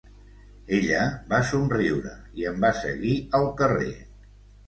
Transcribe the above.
Ella va somriure i em va seguir al carrer.